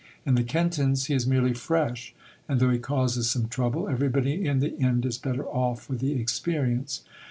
In The Kentons, he is merely fresh, and though he causes some trouble, everybody in the end is better off for the experience.